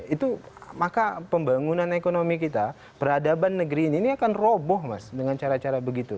itu maka pembangunan ekonomi kita peradaban negeri ini akan roboh mas dengan cara cara begitu